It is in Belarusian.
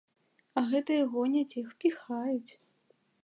А гэтыя гоняць іх, піхаюць.